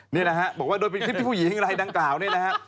นี่นะฮะบอกว่าโดยเป็นคลิปที่ผู้หญิงอะไรดังกล่าวเนี่ยนะฮะ